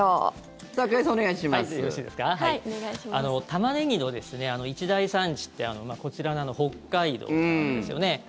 タマネギの一大産地ってこちらの北海道なんですよね。